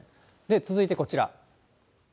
続いてこちら。